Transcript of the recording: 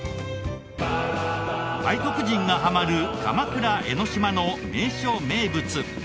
外国人がハマる鎌倉・江の島の名所・名物